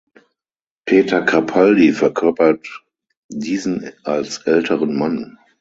Peter Capaldi verkörpert diesen als älteren Mann.